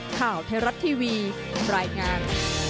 ข่าวเทราะทีวีรายงาน